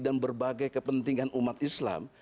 dan berbagai kepentingan umat islam